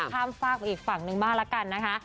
ข้ามฝากไปอีกฝั่งนึงบ้างละกันนะคะ